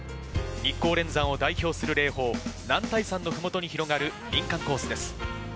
日光連山を代表する霊峰・男体山の麓に広がる林間コースです。